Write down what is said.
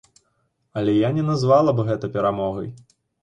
Але я не назвала б гэта перамогай.